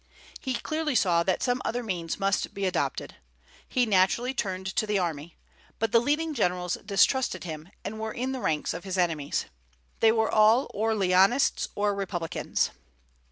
He clearly saw that some other means must be adopted. He naturally turned to the army; but the leading generals distrusted him, and were in the ranks of his enemies. They were all Orléanists or Republicans.